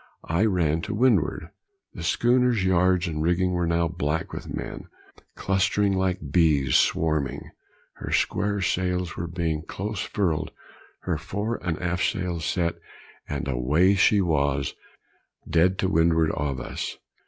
I ran to windward. The schooner's yards and rigging were now black with men, clustering like bees swarming, her square sails were being close furled, her fore and aft sails set, and away she was, dead to windward of us.